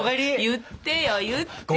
言ってよ言って！